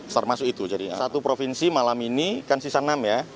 satu provinsi malam ini kan sisa enam ya